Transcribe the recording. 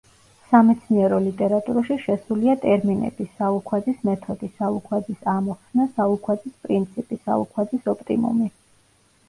სამეცნიერო ლიტერატურაში შესულია ტერმინები „სალუქვაძის მეთოდი“, „სალუქვაძის ამოხსნა“, „სალუქვაძის პრინციპი“, „სალუქვაძის ოპტიმუმი“.